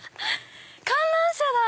観覧車だ！